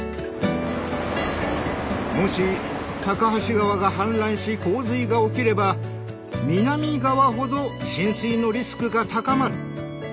もし高梁川が氾濫し洪水が起きれば南側ほど浸水のリスクが高まる。